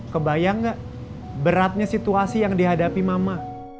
kebayang gak beratnya situasi yang dihadapi mama